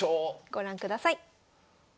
ご覧ください。